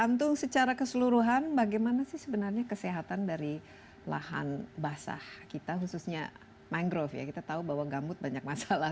antung secara keseluruhan bagaimana sih sebenarnya kesehatan dari lahan basah kita khususnya mangrove ya kita tahu bahwa gambut banyak masalah